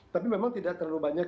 tapi memang tidak terlalu banyak